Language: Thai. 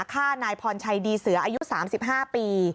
ฆ่านายพรชัยดีเสืออายุ๓๕ปี